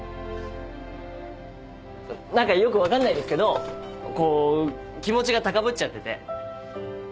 何かよく分かんないですけどこう気持ちが高ぶっちゃってて。